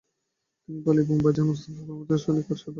তিনি পালিয়ে বোম্বাই যান এবং ওস্তাদ করমতুল্লার নিকট সেতারবাদন শেখেন।